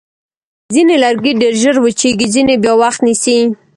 ځینې لرګي ډېر ژر وچېږي، ځینې بیا وخت نیسي.